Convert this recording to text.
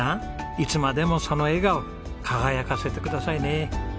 いつまでもその笑顔輝かせてくださいね。